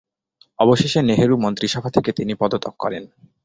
অবশেষে নেহেরু মন্ত্রিসভা থেকে তিনি পদত্যাগ করেন।